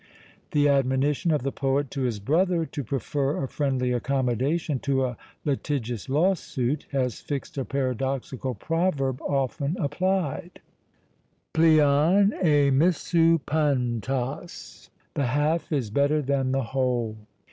The admonition of the poet to his brother, to prefer a friendly accommodation to a litigious lawsuit, has fixed a paradoxical proverb often applied, [Greek: Pleon êmisu pantos], The half is better than the whole!